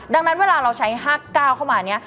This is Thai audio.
ดังนั้นเวลาเราใช้๕๙เข้ามาเนี่ย